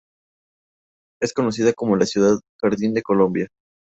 Es conocida cómo la "Ciudad Jardín de Colombia".